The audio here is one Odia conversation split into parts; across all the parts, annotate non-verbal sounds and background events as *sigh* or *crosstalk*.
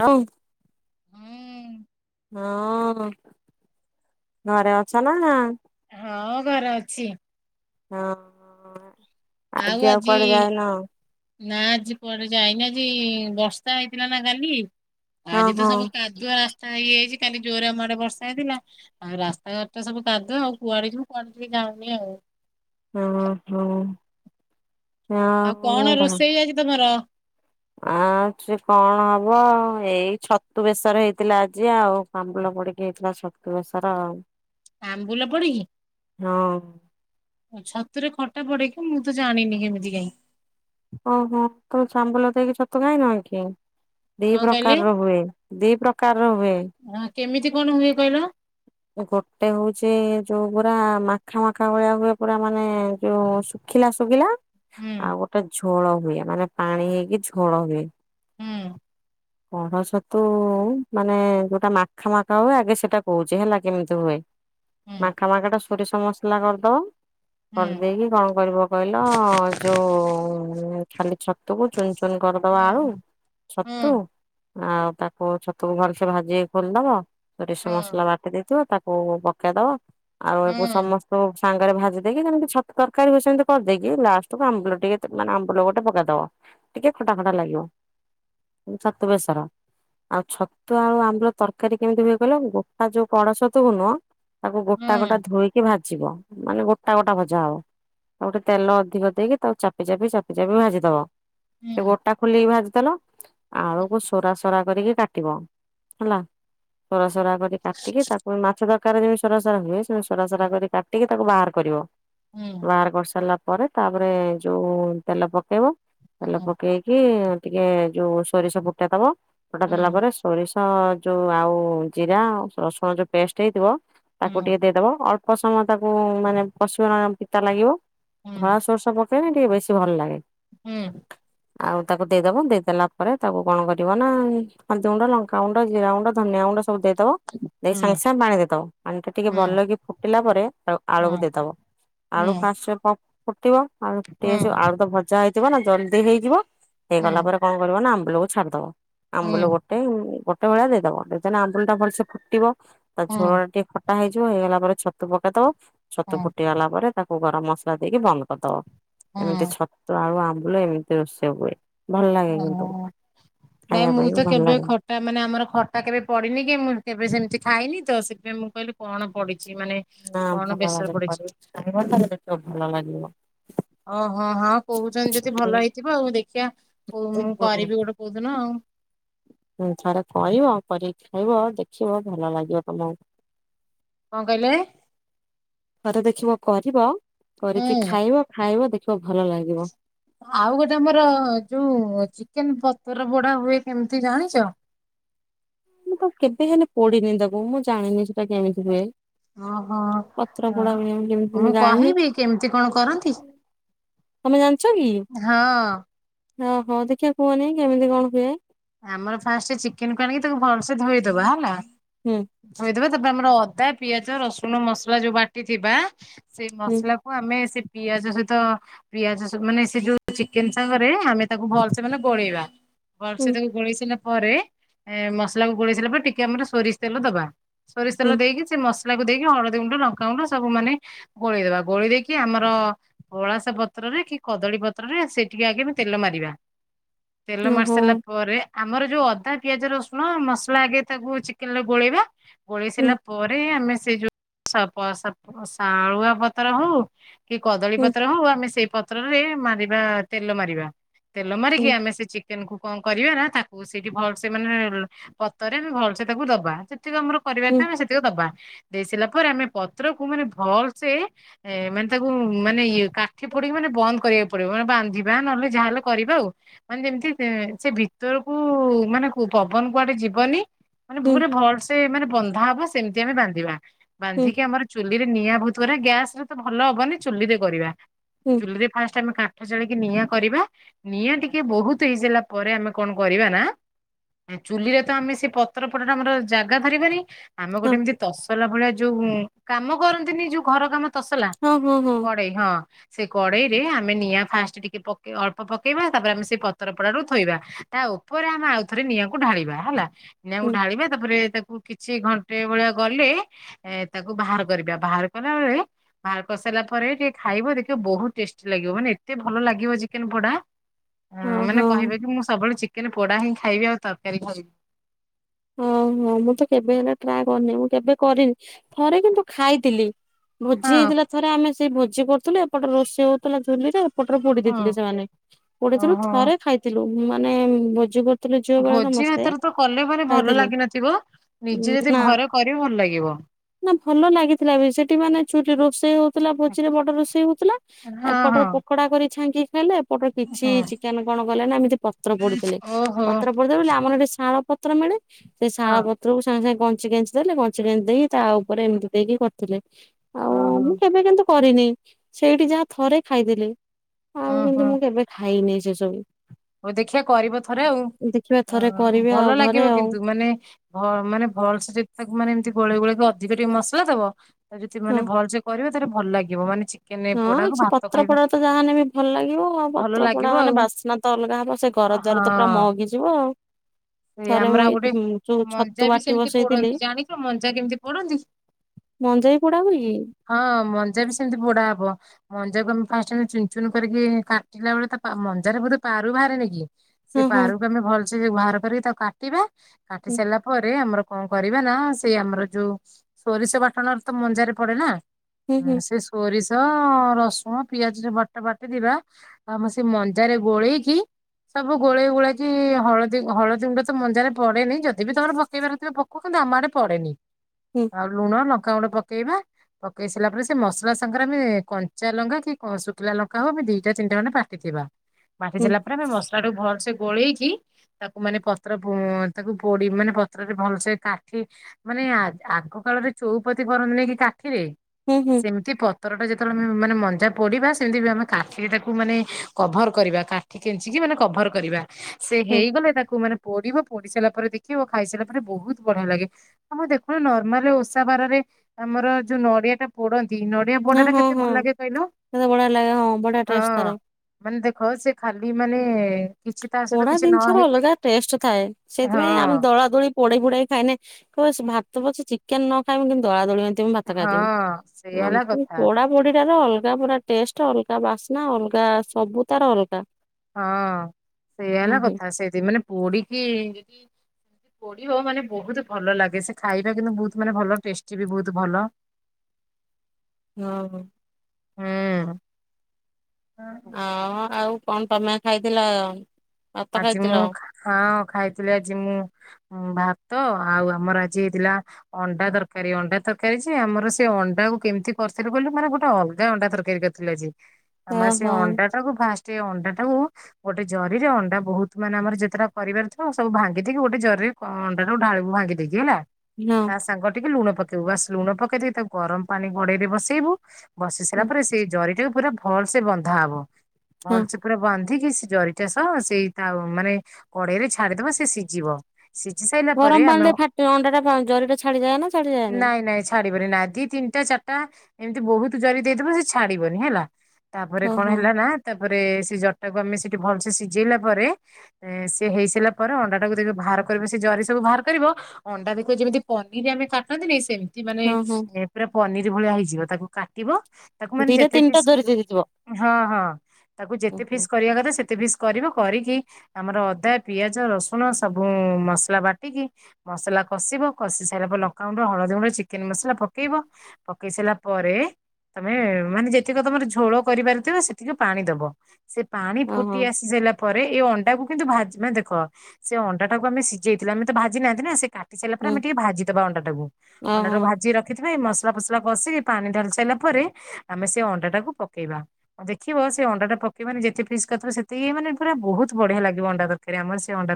ହଉ। ହୁଁ ହଁ ଘରେ ଅଛ ନା। ହଁ ଘରେ ଅଛି। ହଁ। ଆଉ ଆଜି ନା ଆଜି ପରେ ଯାଇନି ଆଜି। ବର୍ଷା ହେଇଥିଲା ନା କାଲି ହଁ ଆଜି ତ ହଁ ସବୁ କାଦୁଆ ରାସ୍ତା ହେଇଯାଇଛି କାଲି ଜୋରରେ ଆମଆଡେ ବର୍ଷା ହେଇଥିଲା ଆଉ ରାସ୍ତାଘାଟ ତ ସବୁ କାଦୁଅ ଆଉ କୁଆଡେ ଯିବୁ କୁଆଡେ ଯାଉନି ଆଉ। ହଁ ହଁ। ଆଉ ମୁଁ କଣ ଭା ରୋଷେଇ ଆଜି ତମର? ଆଉ ସେ କଣ ହବ ଏଇ ଛତୁ ବେସର ହେଇଥିଲା ଆଜି ଆଉ ଆମ୍ଭୁ ପଡିକି ହେଇଥିଲା ଛତୁ ବେସର। ଆମ୍ୱୁଲ ପଡିକି? ହଁ। ଛତୁରେ ଖଟା ପଡେକି ମୁଁ ତ ଜାଣିନି କେମିତି କାଇଁ। ଓହୋ ତମେ ଚାମଲ ଦେଇକି ଛତ ଖାଇ ନଁ କି। ଦି କଣ କହିଲେ ପ୍ରକାରର ହୁଏ ଦି ପ୍ରକାରର ହୁଏ। ହଁ କେମିତି କଣ ହୁଏ କହିଲ ଗୋଟେ ହଉଛି ଯୋଉ ପୁରା ମାଖା ମାଖା ଭଳିଆ ହୁଏ ପୁରା ମାନେ ଯୋଉ ଶୁଖିଲା ଶୁଖିଲା। ହୁଁ। ଟା ଝୋଳ ହୁଏ ମାନେ ପାଣି ହେଇକି ଝୋଳ ହୁଏ। ହୁଁ ପଣସ ତୁ ମାନେ ଯୋଉଟା ମାଖା ମାଖା ହୁଏ ଆଗେ ସେଟା କହୁଛି ହେଲା କେମିତି ହୁଏ। ହୁଁ ମାଖା ମାଖାଟା ସୋରିଷ ମସଲା କରିଦବ କରିଦେଇକି କଣ କରିବ କହିଲ ଯୋଉ ଖାଲି ଛତୁକୁ ଚୁନ ଚୁନ ହୁଁ କରିଦବା ଆଳୁ ହୁଁ ଛତୁ ହୁଁ ଆଉ ତାକୁ ଛତୁକୁ ଭଲସେ ଭାଜି ଖୋଲିଦବ। ସୋରିଷ ହୁଁ ମସଲା ବାଟି ଦେଇଥିବ ତାକୁ ପକେଇ ଦବା ଆଉ ଏକୁ ହୁଁ ସମସ୍ତ ସାଙ୍ଗରେ ଭାଜି ଦେଇ କିମିତି ଛତୁ ତରକାରୀ ହୁଏ ସେମିତି କରିଦେଇକି ଲାଷ୍ଟକୁ ଆମ୍ୱୁଲ ଟିକେ ମାନେ ଆମ୍ବୁଲ ଗୋଟେ ପକେଇଦବ। ଟିକେ ଖଟା ଖଟା ଲାଗିବ ଛତୁ ବେସର। ଆଉ ଛତୁ ଆଉ ଆମ୍ବୁଲ ତରକାରୀ କେମିତି ହୁଏ କହିଲ ଗୋଟା ଯୋଉ ପଡ ଛତୁ କୁ ନୁହଁ। ତାକୁ ହୁଁ ଗୋଟା ଗୋଟା ଧୋଇକି ଭାଜିବ ମାନେ ଗୋଟା ଗୋଟା ଭଜା ହବ। ଆଉ ଗୋଟେ ତେଲ ଅଧିକ ଦେଇକି ତାଉ ଚାପି ଚାପି ଚାପି ଚାପି ଭାଜିଦବ। ହୁଁ ସେ ହୁଁ ଗୋଟା ଖୋଲିକି ଭାଜିଦେଲ। ଆଳୁକୁ ହୁଁ ସୋରା ସରା କରିକି କାଟିବ ହେଲା। ସରାସରା କରି କାଟିକି ତାକୁ ମାଛ ତରକାରୀ ଯେମତି ସରାସରା ହୁଏ ସେମିତି ସରାସରା କରି କାଟିକି ତାକୁ ବାହାର କରିବ। ବାହାର କରି ସାରିଲା ପରେ ତାପରେ ଯୋଉ ତେଲ ପକେଇବ। ତେଲ ପକେଇକି ଟିକେ ଯୋଉ ସୋରିଷ ଫୁଟା ଦବ ଫୁଟା ଦେଲା ପରେ ସୋରିଷ। ତ ଯୋଉ ଆଉ ଜିରା ଆଉ ରସୁଣ ଯୋଉ ପେଷ୍ଟ ହେଇଥିବ ତାକୁ ଟିକେ ଦେଇଦବ ଅଳ୍ପ। ସମୟ ତାକୁ ମାନେ ପଶିବ ନା ପିତା ଲାଗିବ ଧଳା ସୋରଶ ପକେଇଲେ ଟିକେ ବେଶୀ ଭଲ ଲାଗେ। ହୁଁ। ଆଉ ତାକୁ ଦେଇଦବ ଦେଇଦେଲା। ପରେ ତାକୁ କଣ କରିବ ନା ହଳଦି ଗୁଣ୍ଡ ଲଙ୍କା ଗୁଣ୍ଡ ଜିରା ଗୁଣ୍ଡ ଧନିଆ ଗୁଣ୍ଡ ସବୁ ଦେଇଦବ। ଦେଇ ସାଙ୍ଗେ ସାଙ୍ଗେ ପାଣି ଦେଇଦବ। ପାଣି ଟା ଟିକେ ଭଲକି ଫୁଟିଲା ପରେ ଆଳୁକୁ ଦେଇଦବ। ଆଳୁ ଫାଷ୍ଟ ଫ ଫୁଟିବ ଆଳୁ ଫୁଟି ଆସିବ ଆଳୁ ତ ଭଜା ହେଇଥିବ ନା ଜଲଦି ହେଇଯିବ। ହେଇଗଲା ପରେ କଣ? ମାନେ ଆମ୍ବୁଲକୁ ଛାଡିଦବ ଆମ୍ବୁଲ ଗୋଟେ ଗୋଟା ଭଳିଆ ଦେଇଦବ ଆମ୍ବୁଲ ଟା ଭଲ ସେ ଫୁଟିବ। ତା ଝୋଳ ଟା ଟିକେ ଖଟା ହେଇଯିବ ହେଇଗଲା ପରେ ଛତୁ ପକେଇ ଦବ। ଛତୁ ଫୁଟିଗଲା ପରେ। ତାକୁ ଗରମ ମସଲା ଦେଇକି ବନ୍ଦ କରିଦବ। ଏମିତି ଛତୁ ଆଳୁ ଆମ୍ବୁଲ ଏମିତି ରୋଷେଇ ହୁଏ। ଭଲ ଲାଗେ କି? ଓ ନାଇଁ ମୁଁ ତ କେବେ ଖଟା ମାନେ ଆମର ଖଟା କେବେ ପଡେନି କି ମୁଁ କେବେ ସେମିତି। ଖାଇନି ତ ସେଥିପାଇଁ ମୁଁ କହିଲି କଣ ପଡ଼ୁ। ନା ଭଲ ଲାଗେ ପରେ ତାହେଲେ କେ ଭଲ ଲାଗିବ ଓହୋ ହଁ କହୁଛନ୍ତି ଯଦି ଭଲ ହେଇଥିବ ଆଉ ଦେଖିବା ହଉ ମୁଁ କରିବି ଗୋଟେ କୋଉଦିନ ଆଉ। ହୁଁ ଥରେ କରିବ। କରିକି ଖାଇବ। ଦେଖିବ ଭଲ ଲାଗିବ ତମକୁ। କଣ କହିଲେ? ତ ଦେଖିବ କରିବ କରିକି ହୁଁ ଖାଇବ ଖାଇବ ଦେଖ। ଆଉ ଗୋଟେ ଆମର ଯୋଉ ଚିକେନ ପ। ତାର ବଡା ହୁଏ କେମିତି ଜାଣିଛ? ମୁଁ ତ କେବେ ହେଲେ ପଡିନି ତାକୁ ମୁଁ ଜାଣିନି ସେଟା କେମିତି ହୁଏ। ଓହୋ ପତ୍ର ପୋଡା ଭଳିଆ ମୁଁ କେମତି ଯାଣିନି। କହିବି କେମିତି କଣ କରନ୍ତି ତମେ ଜାଣିଛ କି ହଁ। ଓହୋ ଦେଖିବା କୁହନି କେମିତି କଣ ହୁଏ। ଆମର ଫାଷ୍ଟ ଚିକେନକୁ ଆଣିକି ତାକୁ ଭଲସେ ଧୋଇଦବା ହେଲା ହୁଁ ଧୋଇଦବା। ତାପରେ ଆମର ଅଦା ପିଆଜ ରସୁଣ ମସଲା ଯୋଉ ବାଟି ଥିବା ସେଇ ହୁଁ ମସଲାକୁୁ ଆମେ ସେ। ପିଆଜ ସହିତ ପିଆଜ ମାନେ ସେ ଯୋଉ ଚିକେନ ସାଙ୍ଗରେ ଆମେ ତାକୁ ଭଲସେ ମାନେ ଗୋଳେଇବା। ସେ ହୁଁ ତାକୁ ଗୋଳେଇ ସାରା ପରେ ମସଲାକୁ ଗୋଳେଇ ସାରିଲା ପରେ ଟିକେ ଆମର ସୋରିଷ ତେଲ ଦବା। ହୁଁ ସୋରିଷତେଲ ଦେଇକି ସେ ମସ। କୁ ଦେଇକି ହଳଦୀ ଗୁଣ୍ଡ ଲଙ୍କାଗୁଣ୍ଡ ସବୁ ମାନେ ଗୋଳେଇଦେବା ଗୋଳି ଦେଇକି ଆମର ଅଳାସ ପତ୍ର- ରଖି କଦଳୀ ପତ୍ରରେ ସେକିକି ଆଗେ ଆମେ ତେଲ ମାରିବା। *inaudible* ତେଲ ମାରି ଓହୋ ସାରିଲା। ପରେ ଆମର ଯୋଉ ଅଦା ପିଆଜ ରସୁଣ ମସଲା। ଆଗେ ତାକୁ ଚିକେନ ରେ ଗୋଳେଇବା। ଗୋଳେଇ ହୁଁ ସାରିଲା ପରେ ଆମେ ସେ ଯୋଉ ଶାଗୁଆ ପତ ଶଳୁଆ ପତ୍ର ହଉ। କି କଦଳୀ ହୁଁ ପତ୍ର ହଉ ଆମେ ସେଇ ପତ୍ରରେ ମାରିବା ତେଲ ମାରିବା। ତେଲ ମାରିକି ହୁଁ ଆମେ ସେ ଚିକେନକୁ- କଣ କରିବା ନା ତାକୁ ସେଇଠି ଭଲ ସେ ମାନେ ପତରେ ଆମେ ଭଲସେ ତାକୁ ଦବା। ସେତିକ ଆମର ପରିବାର ହୁଁ ଥିବେ ସେତିକି ଦବା। ଦେଇ ସାରିଲା ପରେ ଆମେ ପତ୍ରକୁ ମାନେ ଭଲସେ ମାନେ ତାକୁ ମାନେ ଇ କାଠି ପ- ମାନେ ବନ୍ଦ କରିବାକୁ ପଡିବ ମାନେ ବାନ୍ଧିବା ନହେଲେ ଯାହାହେଲେ କରିବା ଆଉ ମାନେ ଯେମିତି। ସେ ସେ ଭିତରକୁ ମାନେ କୁ ପବନ କୁଆଡେ ଯିବନି ମାନେ ହୁଁ ପୁରା ଭଲସେ ମାନେ ବନ୍ଧା ହବ ସେମିତି ଆମେ ବାନ୍ଧିବା ହୁଁ ବାନ୍ଧିକି ଆମ ଚୁଲି ଚୁଲି ରେ ନିଆଁ ବହୁତ ଗୁରା ଗ୍ୟାସରେ ତ ଭଲ ହବନି ଚୁଲିରେ କରିବା ହୁଁ ଚୁଲିରେ ଫାଷ୍ଟ ଆମେ - କାଠ ଜାଳିକି ନିଆଁ କରିବା ନିଆଁ ଟିକେ ବହୁତ ହେଇସାରିଲା ପରେ ଆମେ କଣ କରିବା ନା ଚୁଲିରେ ତ ଆମେ ସେ ପତର ପଟଟା ଆମର ଜାଗା ଧରିବାନି ଆମେ ଗୋଟେ ଏମିତି ତସଲା ଭଳିଆ ଯୋଉ କାମ କରନ୍ତିନି ଯୋଉ ଘର କାମ ତସଲା, ହଁ ହଁ ହଁ କଡେଇ ହଁ। ସେ କଡେଇରେ ଆମେ ନିଆଁ ଫାଷ୍ଟ ଟିକେ ପକେଇ ଅଳ୍ପ ପକେଇବା ତାପରେ ଆମେ ସେ କ ପତରପଡାରୁ ଥୋଇବା ତା ଉପରେ ଆମେ ଆଉ ଥରେ ନିଆଁକୁ ଢାଳିବା ହେଲା। ନିଆଁକୁ ହୁଁ ଢାଳିବା ତାପରେ ତାକୁ ଆଉ କିଛି ଘଣ୍ଟେ ଭଳିଆ ଗଲେ ଏ ତାକୁ ବାହାର କରିବା ବାହାର କଲା ବେଳେ। ବାହାର କରିସାରିଲା ପରେ ଟିକେ ଖାଇବ ଦେଖିବ ବହୁତ ଟେଷ୍ଟି ଲାଗିବ ମାନେ ଏତେ ଭଲ ଲାଗିବ ଚିକେନ ପୋଡା ହଁ ମାନେ କହିବେ କି ମୁଁ ସବୁବେଳେ ଚିକେନ ପୋଡା ହିଁ ଖାଇବି ଆଉ ତରକାରୀ ଖାଇବି ଓ ହୋ ମୁଁ ତ କେବେ ହେଲେ ଟ୍ରା କରିନି ମୁଁ କେବେ କରିନି। ଥରେ କିନ୍ତୁ ଖାଇଥିଲି ଭୋଜି ହଁ ହେଇଥିଲା ଥରେ ଆମେ ସେଇ ଭୋଜି କରୁଥିଲଥିଲେ ଏପଟେ ରୋଷେଇ ହଉଥିଲା ଚୁଲିରେ ଆଉ ପଟରେ ପୋଡି ହଁ। ଦେଇଥିଲେ ସେମାନେ ପୋଡିଥିଲୁ ଓହୋ ଥରେ ଖାଇଥିଲୁ ମାନେ ଭୋ ଭୋଜି ଭାତରେ ତ କଲେ ମ ଭଲ ଖାଇଥିଲୁ। ଲାଗିନଥିବ ନିଜେ ଯଦି ନା ଘର କରିବ ଭଲ ଲାଗିବ। ନା ଭଲ ଲାଗିଥିଲା ବି ସେଠି ମାନେ ଚୁଟି ରୋଷେଇ ହଉଥିଲା ଭୋଜିରେ ବଡ ରୋଷେଇ ହଉଥିଲା ହଁ ଏ ପଟ ହଁ ପକୋଡା କରି ଛାଙ୍କି ଖଲେ ପଟ କିଛି ହଁ ଚିକେନ କଣ କଲେ ନା ଏମିତି ପତ୍ର ପଡିଥିଲେ ଓହୋ ପତ୍ର ପଡିଥିଲେ ବ ଆମର ଏଠି ସାଳ ପ ପତ୍ର ମିଳେ ସେ ଶାଳ ହଁ ପତ୍ର କୁ ସାଙ୍ଗେ ସାଙ୍ଗେ କଞ୍ଚ ଗଞ୍ଚି ଦେଲେ କଞ୍ଚି ଗଞ୍ଚ ଦେଇ ତା ଉପରେ ଏମିତି ଦେଇକି କରିଥିଲେ ଆଉ ଓହୋ ମୁଁ କେବେ କିନ୍ତୁ କରିନି ସେଇଠି ଯାହା ଥରେ ଖାଇଥିଲି ଆଉ ହୁଁ କିନ୍ତୁ ହୁଁ ମୁଁ କେବେ ଖାଇନି ସେସବୁ। ହଉ ଦେଖିିବା କରିବ ଥରେ ଆଉ ଦେଖିବା ଥରେ କରିବି ଆଉ ଭଲ ଘରେ ଲାଗିବ ଆଉ କିନ୍ତୁ ମାନେ ଭ ମାନେ ଭଲ ସେ ଯେତେ ତାକୁ ମାନେ ଏମିତି ଗୋଳେଇ ଗୋଳ ିକେ ଟିକେ ମସଲା ଦବ ଯଦି ମାନେ ହଁ। ଭଲସ କରିବେ ତାହେଲେ ଭଲ ଲାଗିବ ମାନେ ଚିକେନ ହଁ ପୋଡାକୁ ସେ ଭାତ ପତ୍ର ଖାଇବ ପୋଡା ତ ଯାହାନେ ବି ଭଲ ଲାଗିବ ଆଉ ଭଲ ପତ୍ର ପୋଡା ଲାଗିବ ମାନେ ଆଉ ବାସ୍ନା ତ ଅଲଗା ହବ ସେ ଘର ହଁ ଦ୍ୱାର ତ ପୁରା ମଗିଯିବ ଆଉ। ସେ ଥରେ ଆମର ମୁଁ ଆଉ ଗୋଟେ ଏଇଠି ଯୋଉ ମଞ୍ଜା ଛତୁ ବି ବାଟି ସେମିତି ବସେଇଥିଲି ପୋଡନ୍ତି ଜାଣିଛ ମଞ୍ଜା କେମିତି ପୋଡନ୍ତି? ମଞ୍ଜାଇ ପୋଡା ହୁ ମା ସେମିତି ବଡା ହବ ମଞଜାକୁ ଆମେ ଫାର୍ଷ୍ଟ ଚୁୁନ କରିକି କାଟିଲା ବଳେ ମ୍ଜ ବ ବାରୁ ବାହାରେ ନେ କି। ସେ ହଁ ହଁ ପାରୁକୁ ଆମେ ଭଲସେ ବାହାର କରିକି ତାକୁ କାଟିବା କାଟି ହୁଁ ସାରିଲା ପରେ ଆମର କଣ କରିବା ନା ସେଇ ଆମର ଯୋଉ ସୋରିଷ ବାଟଣରେ ତ ମଞ୍ଜାରେ ପଡେ ନା। ହୁଁ ହୁଁ ସେ ସରି ରସୁଣ ପିଆଜ ବଟା ବାଟ ଦବା ଆଉ ଆମ ସେ ମଞ୍ଜାରେ ଗୋଳେଇକି ସବୁ ଗୋଳେଇ ଗୋଳାକ ହଳଦୀ ହଳଦୀ ଦ ଗୁଡେ ମଜାରେ ପଡେନି ଯଦି ବି ତମ ପକେଇବାରାରୁଥିବ ପକଉ କିନ୍ତୁ ଆମଆଡ଼େ ପଡନି। ହୁଁ ଆଉ ଲୁଣ ଲଙ୍କା ଗୁଡେ ପକେଇବା। ପକେଇ ସାରିଲା ପରେ ସେ ମସଲା ସାଙ୍ଗରେ ଆମେ କଞ୍ଚା ଲଙ୍କା କି ଶୁଖିଲା ଲଙ୍କା ହଉ ଆମେ ଦିଟା ତିନିା ମାନେ ବାଟିଥିବା। ହୁଁ ମାଟିଦଲା ପରେ ଆମେ ମସଲା ଟୁ ଭଲସେ ଗୋଳେଇକି ତାକୁ ମାନେ ପତ୍ର ତାକୁ ପୋଡି ମାନେ ପତ୍ରରେ ଭଲସେ କାଠି ମାନେ ଆଗ କାଳରେ ଚଉପ ପତି କରନ୍ତିୁନାଇ କି କାଠିରେ ହୁଁ ହୁଁ ସେମିତି ପ ପତରଟା ଯେତେବେଳେ ଆମେ ମାନେ ମଞଜା ପଡିବା ସେମିତି ଆମେ କାଠିଟାକୁ ମାନେ କଭର କରିବା କାଠିିକି ମାନେ କଭର କରିବା ସେ ହୁଁ ହେଇଗଲେ ତାକୁ ମାନେ ପୋଡିବ ପୋଡି ସାରିଲା ପରେ ଦେଖିବ ଖାଇସାରିଲା ପରେ ବହୁତ ବଢିଆ ଲାଗେ ଆମ ଦେଖୁୁ ନର୍ମାଲ ଓଷା ବାରରେ ଆମର ଯୋଉ ନଡିଆ ଟା ପୋଡନ୍ତି କି ନଡିଆ ପଡା ହଁ ଟା ହଁ କେତେ ଭଲ ହଁ ଲାଗେ କହିଲୁ କେତେ ବଢିଆ ଲାଗେ ହଁ ବଢିଆ ହଁ ଟେଷ୍ଟ ତାର ମାନେ ଦେଖ ହଁ ସେ ଖାଲି ମାନେ କିଛି ତା ସହିତ ପୋଡ଼ା କିଛି ନ ଜିନିଷ ର ହେଇକି ଅଲଗା ଟେଷ୍ଟ ଥାଏ ହଁ ସେଥିପାଇଁ ଆମେ ଦୋଳା ଦୋଳି ପୋଡେଇ ଫୋଡେଇ ଖାଇନ କି ଭାତ ପଛ ଚିକେନ ନ ଖାଇବି କିନ୍ତୁ ଦଳା ଦୋଳି ଏମିତି ମୁଁ ଭାତ ହଁ ସେଇଆ ହେଲା ଖାଇଦେବି କଥା। ପୋଡା ପୋଡିଟ ର ଅଲଗା ଅଲଗା ପୁରା ଟେଷ୍ଟ ଅଲଗା ବାସ୍ନା ଅଲଗା ସବୁ ତାର ଅଲଗା। ହଁ ସେଇ ହୁଁ ହେଲା ହୁଁ। କଥା ସେଠି ମାନେ ପୋଡ କି ପୋଡି ହ ମାନେ ବହୁତ ଭଲ ଲାଗେ ସେ ଖାଇବା କିନ୍ତୁ ବହୁତ ମାନେ ଭଲ ଟେଷ୍ଟି ବି ବହୁତ ଭଲ। ହଁ। ହଁ। ହଁ ଆଉ କଣ ତମେ ଖାଇଥିଲ। ଭାତ ଆଜି ଖାଇଥିଲ? ମୁଁ ହଁ ଖାଇଥିଲି ଆଜି ମୁଁ ଭା ତ ଆଉ ଆମର ଆଜି ହେଇଥିଲା ଅଣ୍ଡା ତରକାରୀ। ଅଣ୍ଡା ତରକାରୀ ଯେ, ଆମର ସେ ଅଣ୍ଡାକୁ କେମତି କ କରିଥିଲୁ କହିଲୁ ମାନେ ଗୋଟେ ଅଲଗା ଅଣ୍ଡା ତରକାରୀ କରିଥିଲୁ ଆଜି। ଆମର ସେ ଓହୋ ଅଣ୍ଡାଟାକୁ ଫାଷ୍ଟ ଏ ଅଣ୍ଡାଟାକୁ ଗୋଟେ ଜରିରେ ଅ ଏଟା ବହୁତ ମାନେ ଆମର ଯେତେଟା ପରିବାର ଥାଉ, ସବୁ ଭାଙ୍ଗିଦେଇକି ଗୋଟେ ଜରିରେ ଅଣ୍ଡାଟାକୁ ଢ଼ାଳିବୁ ଭାଙ୍ଗି ଦେଇକି ହେଲା ହଁ। ତା ସାଙ୍ଗରେ ଟିକେ ଲୁଣ ପକେଇବୁ। ବାସ ଲୁଣ ପକେଇ ଦେଇ ତାକୁ ଗରମ ପାଣି କଡେଇରେ ବସେଇବୁ ବସେଇ ସାରିଲା ପରେ ସେଇ ଜରିଟାକୁ ପୁରା ଭଲସେ ବନ୍ଧା ହବ। ହଁ ଭଲସେ ପୁରା ବାନ୍ଧିକି ଜରିଟା ସହ ସେଇ ତା ମାନେ କଡେଇରେ ଛାଡିଦବା ସେ ସିଝିବ। ସିଝି ସାଇଲା ପରେ ଗରମ ଆମେ ପାଣିରେ ଫାଟି ଅଣ୍ଡା ଟା ଜରି ଟା ଛାଡିଯାଏ ନା ଛାଡିଯାଏନି? ନାଇଁ ନାଇଁ ଛାଡିବନି ନା ଦି ତିନ ଟା ଚାରିଟା ଏମିତି ବହୁତ ଜରି ଦେଇଦେବ ସେ ଛାଡିବନି ହେଲା। ତାପରେ କଣ ଓହୋ ହେଲା ନା ତା ପରେ ସେ ଜରିଟାକୁ ଆମେ ସେଠି ଭଲ ସେ ସିଜ ଜେଇଲା ପରେ, ସେ ହେଇସାରିଲା ପରେ ଅଣ୍ଡାଟାକୁ ଦେଖିବ ବାହାର କରିବ, ସେ ଜରି ସବୁ ବାହାର କରିବ ଅଣ୍ଡା ଦେଖିବ ଯେମିତି ପନିର ଆମେ କାଟନ୍ତି ନେଇଁ ସେମିତି ମାନେ ହଁ ହଁ ପୁରା ପନିର ଭଳିଆ ହେଇଯିବ, ତାକୁ କାଟିବ ତାକୁ ମାନେ ଦିଟା ଯେତେ ତିନିଟା ପିସ୍ ଜରି ଦେଇଦେଇଥିବ ହଁ ହଁ। ତାକୁ ଯେତେ ଓହୋ ଫିସ୍ କରିବା କଥା ସେତେ ଫିସ୍ କରିବ, କରିକି ଆମର ଅଦା, ପିଆଜ, ରସୁଣ, ସବୁ ମସଲା ବାଟିକି ମସଲା କଷିବ କଷି ସାଇଲା ପରେ ଲଙ୍କାଗୁଣ୍ଡ, ହଳଦୀ ଗୁଣ୍ଡ, ଚିକେନ ମସଲା ପକେଇବ। ପକେଇ ସାଇଲା ପରେ ତମେ ମାନେ ଯେତିକ ତମର ଝୋଳ କରିବାରଥିବ ସେତିକି ପାଣି ଦବ। ସେ ପାଣି ଓହୋ ଫୁଟି ଆସି ଲା ପରେ ଏ ଅଣ୍ଡାକୁ କିନ୍ତୁ ଭାଜି ମାନେ ଦେଖ, ସେ ଅଣ୍ଡାଟାକୁ ଆମେ ସିଝେଇଥିଲେ, ଆମେ ତ ଭାଜି ନାହାଁନ୍ତି ନା ସେ କା କାଟି ସାଇଲା ପରେ ହୁଁ। ଆମେ ଟିକେ ଭାଜିଦବା ଅଣ୍ଡାଟାକୁ। ଓହୋ ଅଣ୍ଡାଟାକୁ ଭାଜିକି ରଖିଥିବା ଏଇ ମସ ମସଲା ଫସଲା କଷିକି ପାଣି ଢ଼ାଳି ସାରିଲା ପରେ, ଆମେ ସେ ଅଣ୍ଡାଟାକୁ ପକେଇବା। ଦେଖିବ ସେ ଅଣ୍ଡାଟା ପକେଇବ ମାନେ ଯେତେ ପିସ୍ କରିଥିବ ସେତେ ଇଏ ମାନେ ପୁରା ବହୁତ ବଢିଆ ଲାଗିବ ଅଣ୍ଡା ତର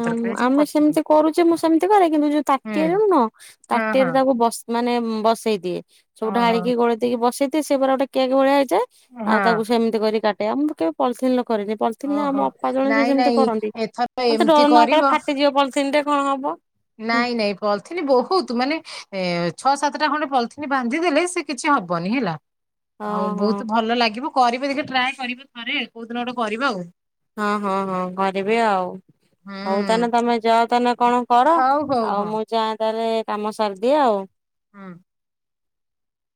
ହଁ ଆମେ ସେମତି କରୁଚେ ମୁଁ ସେମିତି କରେ, କିନ୍ତୁ ଯୋଉ ତାଟିଆରେ ହୁଁ ନୁହଁ ହଁ ହଁ ତାଟିଆରେ ତାକୁ ବସି ମାନେ ବସେଇ ଦିଏ। ସବୁ ଓହୋ ଢାଳିକି ଗୋଳେଇ ଦେଇକି ବସେଇ ଦିଏ, ସିଏ ପୁରା ଗୋଟେ କେକ୍ ଭଳିଆ ହେଇଯାଏ, ଆଉ ହଁ ତାକୁ ସେମିତି କରି କାଟେ। ଆଉ ମୁଁ କେବେ ପଲଥିନ ରେ କରିନି। ପଲିଥିନରେ ଓହୋ ଆମ ଅପା ଜଣେ ଯିଏ ନାଇଁ ସେମତି ନାଇଁ କରନ୍ତି, ଏଥର ମତେ ଏମିତି ଡର ଲାଗେ କାଳେ କରିବ ଫାଟିଯିବ ପଲଥିନ୍ ଟେ କଣ ହବ? ନାଇଁ ନାଇଁ ପଲଥିନି ବହୁତ ମାନେ ଏ ଛଅ ସାତଟା ଖଣ୍ଡେ ପଲିଥିନ ବାନ୍ଧି ଦେଲେ ସେ କିଛି ହବନି ହେଲା। ଆଉ ଓହୋ ବହୁତ ଭଲ ଲାଗିବ କରିବେ ଦେଖିବେ ଟ୍ରାଏ କରିବେ ଥରେ ଆଉ। କୋଉଦିନ ଗୋଟେ କରିବ ଆଉ। ହଁ-ହଁ-ହଁ କରିବି ଆଉ। ହଉ ତାହେନେ ହୁଁ ତମେ ଯାଅ ତାନେ କଣ କର, ହଉ ହଉ ହଁ ଆଉ ମୁଁ ଯାଏଁ ତାହେଲେ କାମ ସାରିଦିଏ ଆଉ। ହଁ।